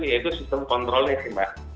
yaitu sistem kontrolnya sih mbak